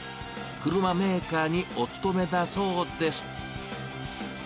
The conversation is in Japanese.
車メーカーにお勤めだそうです。